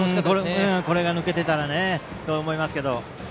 これが抜けていたらと思いますけど。